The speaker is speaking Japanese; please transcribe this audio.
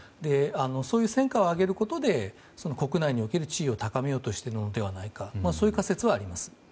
そういう戦果を挙げることで国内における地位を高めようとしてるのではないかという仮説はあります。